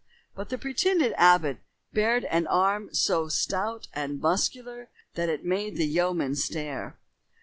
But the pretended abbot bared an arm so stout and muscular that it made the yeomen stare.